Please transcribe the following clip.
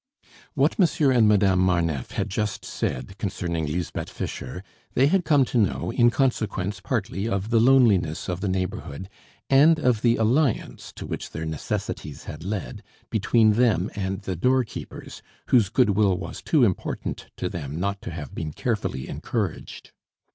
What Monsieur and Madame Marneffe had just said concerning Lisbeth Fischer they had come to know, in consequence, partly, of the loneliness of the neighborhood, and of the alliance, to which their necessities had led, between them and the doorkeepers, whose goodwill was too important to them not to have been carefully encouraged.